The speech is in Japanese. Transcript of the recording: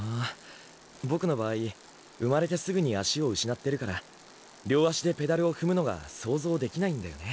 ボクの場合生まれてすぐに足を失ってるから両足でペダルを踏むのが想像できないんだよね。